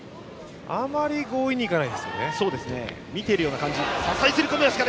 あまり強引に行かないですよね。